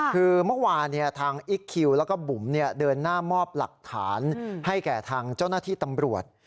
คือเมื่อวานทางอิ๊กคิวแล้วก็บุ๋มเดินหน้ามอบหลักฐานให้แก่ทางเจ้าหน้าที่ตำรวจ